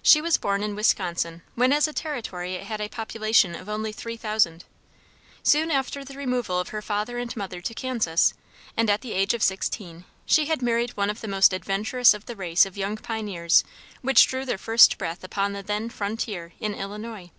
She was born in Wisconsin, when as a territory it had a population of only three thousand. Soon after the removal of her father and mother to Kansas, and at the age of sixteen she had married one of the most adventurous of the race of young pioneers which drew their first breath upon the then frontier in Illinois.